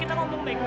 kita serahkan dulu